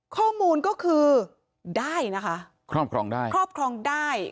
ข้อมูลก็คือได้นะคะครอบครองได้ครอบครองได้